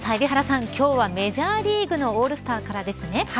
今日はメジャーリーグのオールスターからですね。